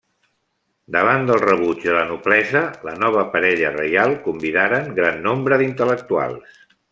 Davant del rebuig de la noblesa, la nova parella reial convidaren gran nombre d'intel·lectuals.